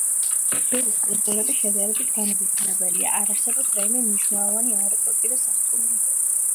ბერის კუნძულები შედარებით განუვითარებელია, არ არსებობს რაიმე მნიშვნელოვანი აეროპორტი და სასტუმრო.